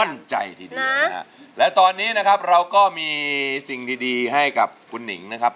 ทีเดียวนะฮะและตอนนี้นะครับเราก็มีสิ่งดีดีให้กับคุณหนิงนะครับ